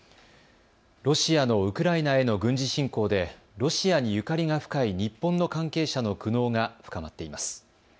ロシアのウクライナへの軍事侵攻でロシアにゆかりが深い日本の関係者の苦悩が深まっています。